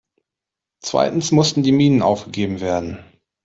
Zweitens mussten die Minen aufgegeben werden.